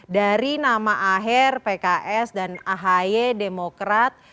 dari nama aher pks dan ahy demokrat